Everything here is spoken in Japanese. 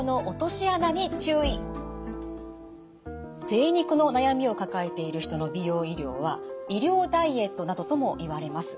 ぜい肉の悩みを抱えている人の美容医療は医療ダイエットなどともいわれます。